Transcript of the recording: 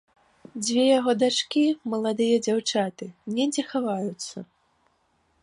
Дзве яго дачкі, маладыя дзяўчаты, недзе хаваюцца.